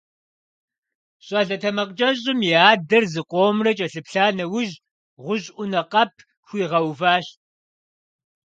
ЩӀалэ тэмакъкӀэщӀым и адэр зыкъомрэ кӀэлъыплъа нэужь, гъущӀ Ӏунэ къэп хуигъэуващ.